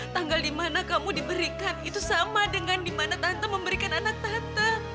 tanggal dimana kamu diberikan itu sama dengan di mana tante memberikan anak tante